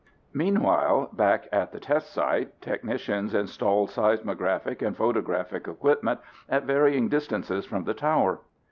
Meanwhile back at the test site, technicians installed seismographic and photographic equipment at varying distances from the tower.